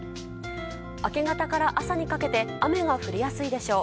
明け方から朝にかけて雨が降りやすいでしょう。